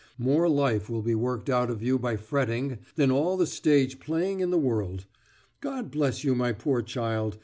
More life will be worked out of you by fretting than all the stage playing in the world. God bless you, my poor child.